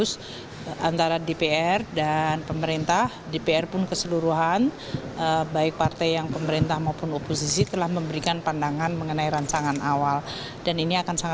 yang diperoleh pemerintah